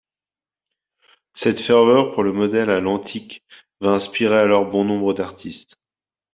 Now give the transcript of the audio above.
Cette ferveur pour le modèle à l’antique va inspirer alors bon nombre d’artistes.